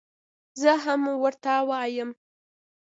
زه هم ورته وایم.